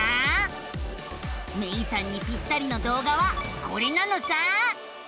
めいさんにぴったりの動画はこれなのさ。